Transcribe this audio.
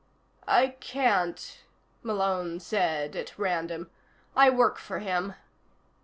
"I can't," Malone said at random. "I work for him."